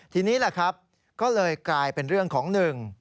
ทีนี้แหละครับก็เลยกลายเป็นเรื่องของหนึ่ง